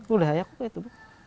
udah ya kok kayak gitu